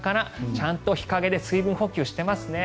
ちゃんと日陰で水分補給してますね。